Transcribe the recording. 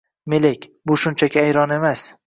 Melek - bu shunchaki ayron emas!